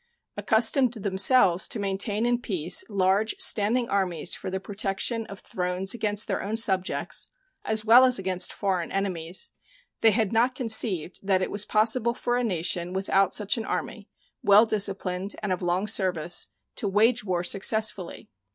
Accustomed themselves to maintain in peace large standing armies for the protection of thrones against their own subjects, as well as against foreign enemies, they had not conceived that it was possible for a nation without such an army, well disciplined and of long service, to wage war successfully.